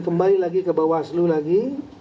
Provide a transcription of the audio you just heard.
kembali lagi ke bawaslu lagi